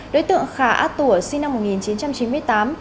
đối tượng khả á tùa sinh năm một nghìn chín trăm chín mươi tám